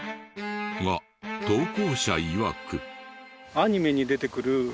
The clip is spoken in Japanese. が投稿者いわく。